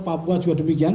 papua juga demikian